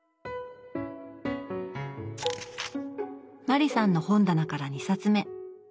麻里さんの本棚から２冊目。